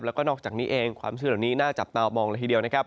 แล้วก็นอกจากนี้เองความเชื่อเหล่านี้น่าจับตามองเลยทีเดียวนะครับ